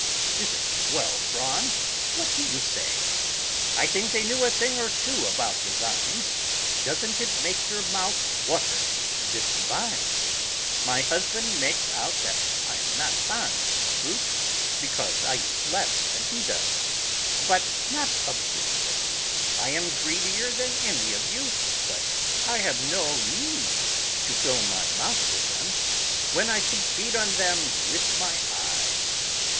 Isn't it well drawn? What do you say? I think they knew a thing or two about design! Doesn't it make your mouth water, this vine? My husband makes out that I am not fond of fruit, because I eat less than he does. But not a bit of it, I am greedier than any of you, but I have no need to fill my mouth with them when I can feed on them with my eyes.